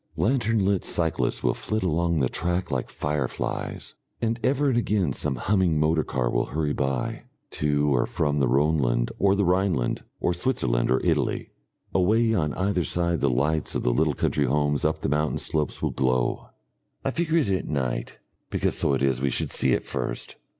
Lantern lit cyclists will flit along the track like fireflies, and ever and again some humming motor car will hurry by, to or from the Rhoneland or the Rhineland or Switzerland or Italy. Away on either side the lights of the little country homes up the mountain slopes will glow. I figure it at night, because so it is we should see it first.